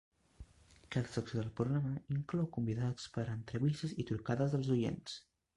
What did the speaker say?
Cada secció del programa inclou convidats per a entrevistes i trucades dels oients.